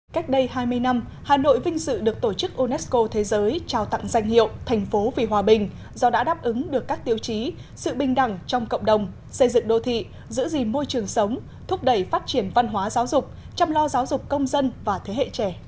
cách đây hai mươi năm hà nội vinh dự được tổ chức unesco thế giới trao tặng danh hiệu thành phố vì hòa bình do đã đáp ứng được các tiêu chí sự bình đẳng trong cộng đồng xây dựng đô thị giữ gìn môi trường sống thúc đẩy phát triển văn hóa giáo dục chăm lo giáo dục công dân và thế hệ trẻ